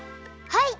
はい！